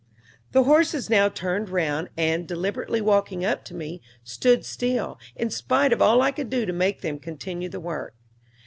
The horses now turned round, and, deliberately walking up to me, stood still, in spite of all I could do to make them continue the work.